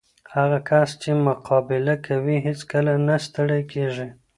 هغه کس چې مقابله کوي، هیڅکله نه ستړی کېږي.